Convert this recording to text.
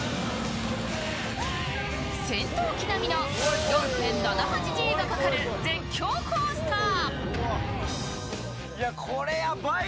戦闘機並みの４．７８Ｇがかかる絶叫コースター。